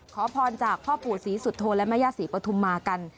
ขอพรจากพ่อปู่ศรีสุโธและแม่ย่าศรีปฐุมมากัน